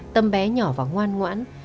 tâm bé nhỏ và ngoan ngoãn